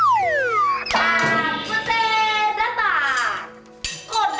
pak bobleg tetap saja